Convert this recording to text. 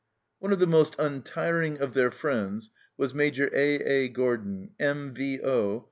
One of the most untiring of their friends was Major A. A. Gordon, M.V.O.